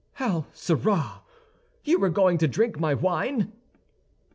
"How, sirrah! you were going to drink my wine?"